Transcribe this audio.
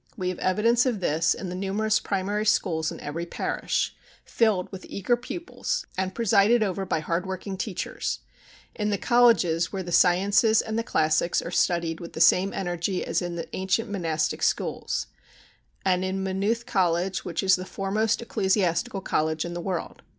We have evidence of this in the numerous primary schools in every parish, filled with eager pupils and presided over by hard working teachers; in the colleges where the sciences and the classics are studied with the same energy as in the ancient monastic schools; and in Maynooth College, which is the foremost ecclesiastical college in the world.